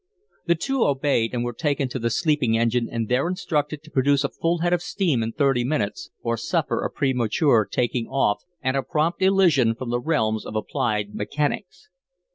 The two obeyed and were taken to the sleeping engine and there instructed to produce a full head of steam in thirty minutes or suffer a premature taking off and a prompt elision from the realms of applied mechanics.